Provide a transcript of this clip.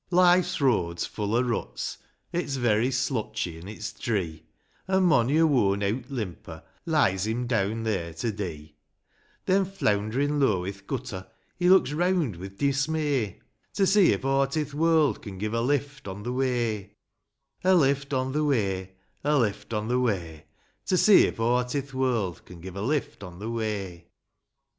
Life's road's full o' ruts; it's very slutchy^ an' it's dree;^ An' mony a worn eawt limper lies him deawn there to dee ; Then, fleawnd'rin low i'th gutter, he looks reawnd wi' dismay, To see if aught i'th world can give a lift on the way : A lift on the way ; A lift on the way ; To see if aught i'th world can give a lift on the way.